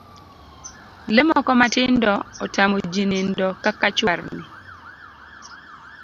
Lee moko matindo otamo jii nindo kaka chwarni